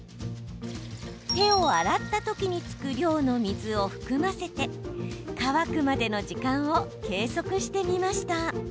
手を洗ったときにつく量の水を含ませて乾くまでの時間を計測してみました。